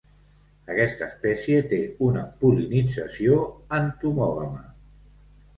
Aquesta espècie té una pol·linització entomògama.